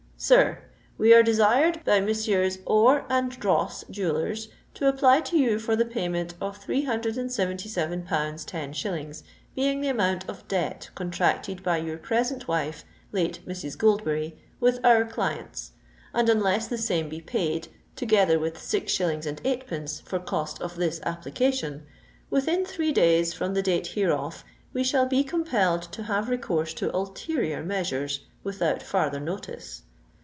_ "SIR, "We are desired by Messieurs Ore and Dross, jewellers, to apply to you for the payment of 377_l._ 10_s._ being the amount of debt contracted by your present wife, late Mrs. Goldberry, with our clients; and unless the same be paid, together with 6_s._ 8_d._ for cost of this application, within three days from the date hereof, we shall be compelled to have recourse to ulterior measures without farther notice.